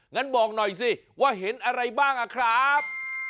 งั้นบอกหน่อยสิว่าเห็นอะไรบ้างอะครับ